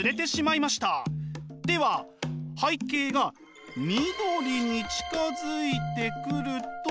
では背景が緑に近づいてくると。